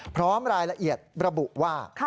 พร้อมรายละเอียดระบุว่า